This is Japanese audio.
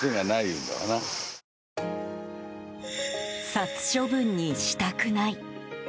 殺処分にしたくない。